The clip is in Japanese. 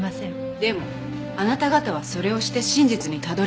でもあなた方はそれをして真実にたどり着いた。